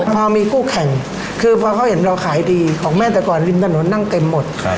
พอมีคู่แข่งคือพอเขาเห็นเราขายดีของแม่แต่ก่อนริมถนนนั่งเต็มหมด